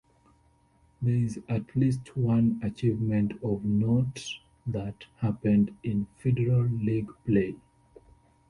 There is at least one achievement of note that happened in Federal League play.